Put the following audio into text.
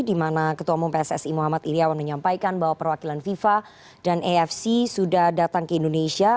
di mana ketua umum pssi muhammad iryawan menyampaikan bahwa perwakilan fifa dan afc sudah datang ke indonesia